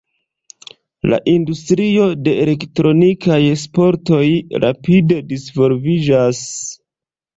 La industrio de elektronikaj sportoj rapide disvolviĝas.